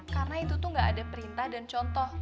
karena itu tuh enggak ada perintah dan contoh